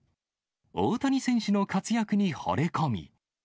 大谷選手の活躍にほれ込み。